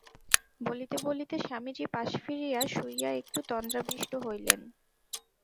বলিতে বলিতে স্বামীজী পাশ ফিরিয়া শুইয়া একটু তন্দ্রাবিষ্ট হইলেন।